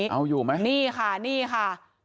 เอาอยู่ไหมนี่ค่ะนี่ค่ะ